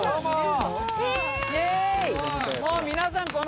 もう皆さん